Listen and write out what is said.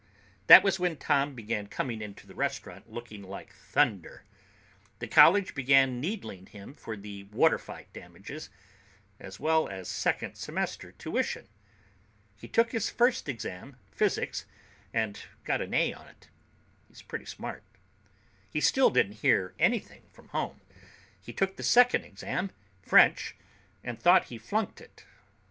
"That was when Tom began coming into the restaurant looking like thunder. The college began needling him for the water fight damages, as well as second semester tuition. He took his first exam, physics, and got an A on it. He's pretty smart. "He still didn't hear anything from home. He took the second exam, French, and thought he flunked it.